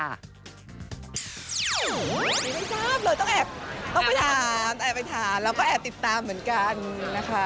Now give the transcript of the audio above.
ไม่ทราบเลยต้องแอบไปถามแล้วก็แอบติดตามเหมือนกันนะคะ